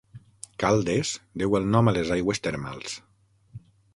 Caldes deu el nom a les aigües termals.